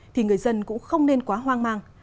thì người dân cũng không nên quá hoang mang